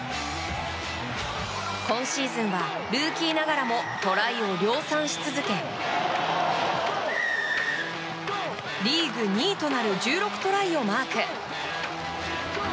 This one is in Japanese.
今シーズンは、ルーキーながらもトライを量産し続けリーグ２位となる１６トライをマーク。